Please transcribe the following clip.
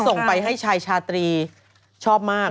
ดิฉันส่งไปให้ชายชาตรีชอบมากค่ะ